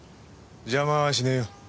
邪魔はしねえよ。